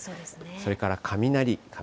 それから雷。